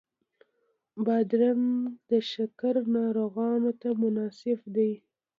بادرنګ د شکر ناروغانو ته مناسب دی.